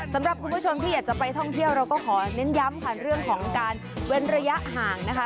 สำหรับคุณผู้ชมที่อยากจะไปท่องเที่ยวเราก็ขอเน้นย้ำค่ะเรื่องของการเว้นระยะห่างนะคะ